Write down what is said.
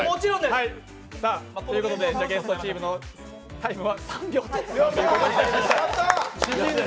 では、ゲストチームのタイムは３秒ということになりました。